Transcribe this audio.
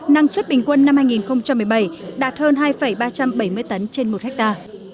năng suất bình quân năm hai nghìn một mươi bảy đạt hơn hai ba trăm bảy mươi tấn trên một hectare